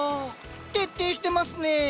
徹底してますねえ。